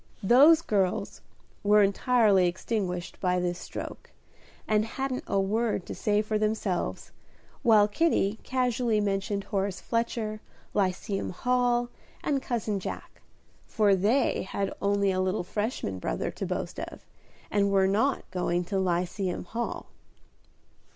"Those girls" were entirely extinguished by this stroke, and hadn't a word to say for themselves, while Kitty casually mentioned Horace Fletcher, Lyceum Hall, and Cousin Jack, for they had only a little Freshman brother to boast of, and were not going to Lyceum Hall.